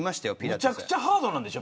めちゃくちゃハードなんでしょ